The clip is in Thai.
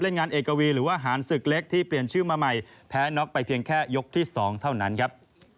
งานเอกวีหรือว่าหารศึกเล็กที่เปลี่ยนชื่อมาใหม่แพ้น็อกไปเพียงแค่ยกที่๒เท่านั้นครับ